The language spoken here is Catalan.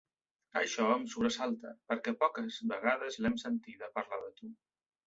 Això em sobresalta, perquè poques vegades l'hem sentida parlar de tu.